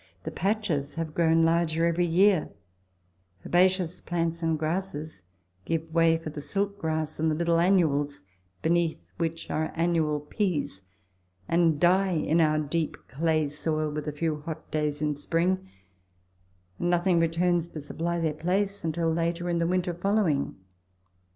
The patches have grown larger every year; herbaceous plants and grasses give way for the silk grass and the little annuals, beneath which are annual peas, and die in our deep clay soil with a few hot days in spring, and nothing returns to supply their place until later in the winter following.